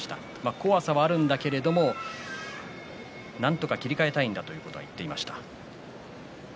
怖さもあるんだけれどもなんとか切り替えたいんだと言っていました。